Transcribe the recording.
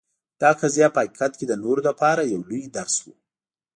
دا قضیه په حقیقت کې د نورو لپاره یو لوی درس و.